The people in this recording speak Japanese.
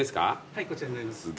はいこちらになります。